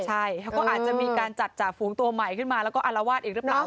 ใช่เขาก็อาจจะมีการจัดจ่าฝูงตัวใหม่ขึ้นมาแล้วก็อารวาสอีกหรือเปล่า